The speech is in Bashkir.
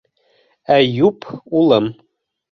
Әйүп улым.